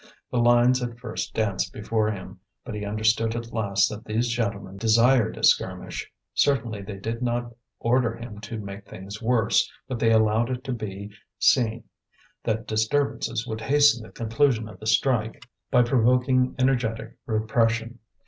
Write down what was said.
The lines at first danced before him, but he understood at last that these gentlemen desired a skirmish; certainly they did not order him to make things worse, but they allowed it to be seen that disturbances would hasten the conclusion of the strike by provoking energetic repression.